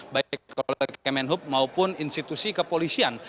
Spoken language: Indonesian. baik oleh kementerian perhubungan maupun institusi kepolisian